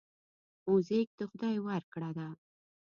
موزیک د خدای ورکړه ده.